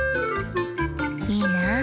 いいな。